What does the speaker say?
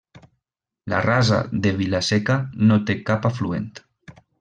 La Rasa de Vila-seca no té cap afluent.